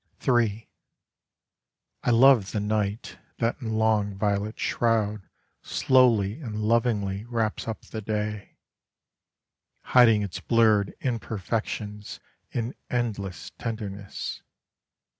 III I love the night that in long violet shroud Slowly and lovingly wraps up the day, Hiding its blurred imperfections In endless tenderness.